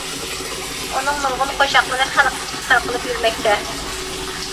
ئۇنىڭ نۇرغۇن قوشاقلىرى خەلق ئىچىدە تارقىلىپ يۈرمەكتە.